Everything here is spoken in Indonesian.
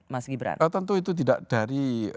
mas gibran kalau tentu itu tidak dari